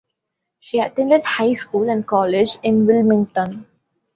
She attended high school and college in Wilmington.